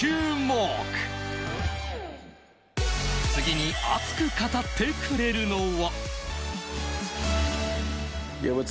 次に熱く語ってくれるのは。